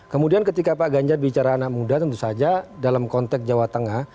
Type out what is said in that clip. kemudian ketika pak ganjar bicara anak muda tentu saja dalam konteks jawa tengah